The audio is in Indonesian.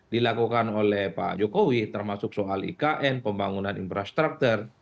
dilakukan oleh pak jokowi termasuk soal ikn pembangunan infrastruktur